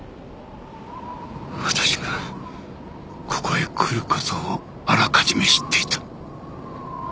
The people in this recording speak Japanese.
私がここへ来る事をあらかじめ知っていた。